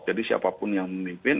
jadi siapapun yang memimpin